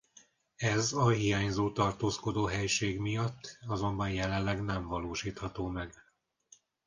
Ez a hiányzó tartózkodóhelység miatt azonban jelenleg nem valósítható meg.